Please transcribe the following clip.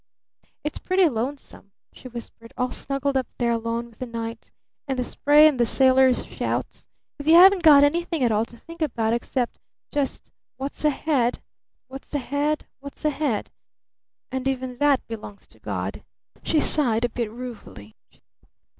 It's pretty lonesome," she whispered, "all snuggled up there alone with the night, and the spray and the sailors' shouts, if you haven't got anything at all to think about except just 'What's ahead? What's ahead? What's ahead?' And even that belongs to God," she sighed a bit ruefully.